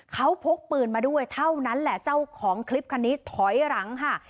เขาพกปืนมาด้วยเท่านั้นแหละเจ้าของคลิปคันนี้ถอยหลังค่ะ